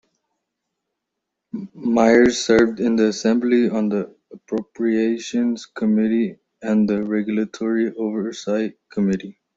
Myers served in the Assembly on the Appropriations Committee and the Regulatory Oversight Committee.